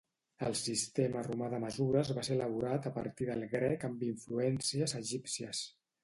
El sistema romà de mesures va ser elaborat a partir del grec amb influències egípcies.